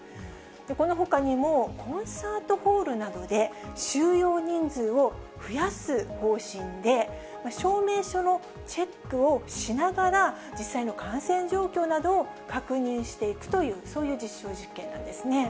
このほかにもコンサートホールなどで、収容人数を増やす方針で、証明書のチェックをしながら実際の感染状況などを確認していくという、そういう実証実験なんですね。